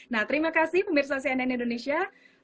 nah terima kasih pemirsa cnn indonesia